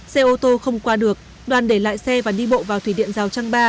xe ô tô không qua được đoàn để lại xe và đi bộ vào thủy điện giao trang ba